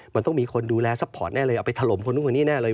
มันต้องมีคนดูแลซัพพอร์ตแน่เลยเอาไปถล่มคนนู้นคนนี้แน่เลย